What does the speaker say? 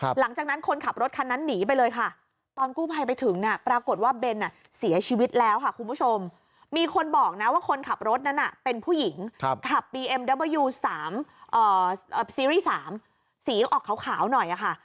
วสามเอ่อสีรีส์สามสีออกขาวขาวหน่อยอะค่ะ